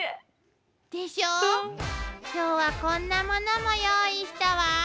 今日はこんなものも用意したわ。